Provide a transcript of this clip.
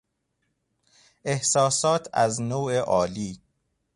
احساسات از نوع عالی